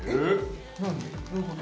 何どういうこと？